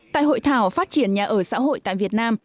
tại hội thảo phát triển nhà ở xã hội tại việt nam